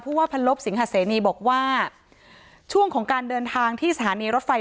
ว่าพันลบสิงหาเสนีบอกว่าช่วงของการเดินทางที่สถานีรถไฟ